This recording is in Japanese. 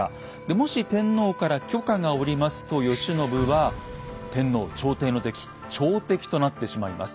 もし天皇から許可が下りますと慶喜は天皇朝廷の敵「朝敵」となってしまいます。